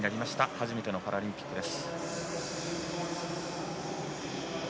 初めてのパラリンピックです。